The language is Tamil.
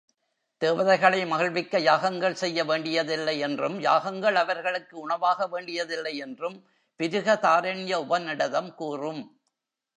தேவதைகளை மகிழ்விக்க யாகங்கள் செய்ய வேண்டியதில்லையென்றும் யாகங்கள் அவர்களுக்கு உணவாகவேண்டியதில்லையென்றும் பிருகதாரண்யக உபநிடதம் கூறும்.